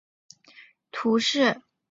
雄维勒马洛蒙人口变化图示